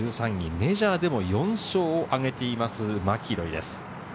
メジャーでも４勝を挙げています、マキロイです。